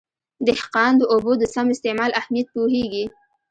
دهقان د اوبو د سم استعمال اهمیت پوهېږي.